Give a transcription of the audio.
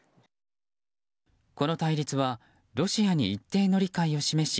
この対立はロシアに一定の理解を示し